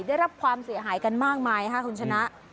ได้รับความเสียหายกันมากมายค่ะคุณชนะ